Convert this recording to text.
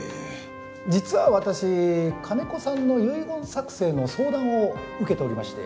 実は私金子さんの遺言作成の相談を受けておりまして。